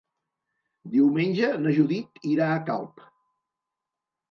Diumenge na Judit irà a Calp.